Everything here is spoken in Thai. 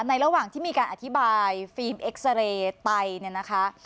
ระหว่างที่มีการอธิบายฟิล์มเอ็กซาเรย์ไตเนี่ยนะคะ